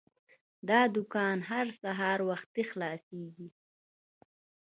دا دوکان هر سهار وختي خلاصیږي.